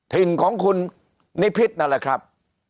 ถิ่นของคุณนิพิษนั่นแหละครับ